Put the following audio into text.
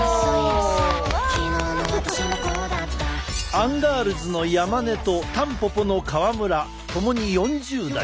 アンガールズの山根とたんぽぽの川村ともに４０代。